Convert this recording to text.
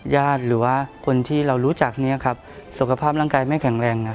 หรือว่าคนที่เรารู้จักสุขภาพร่างกายไม่แข็งแรง